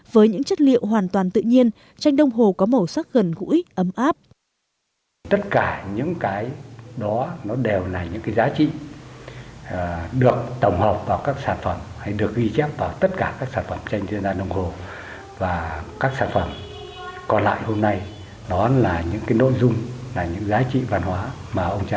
với những chất liệu hoàn toàn tự nhiên tranh đông hồ có màu sắc gần gũi ấm áp